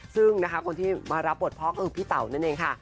ซึ่งนะคะคนที่มารับบทพ่อคือพี่เต๋านั่นเองค่ะ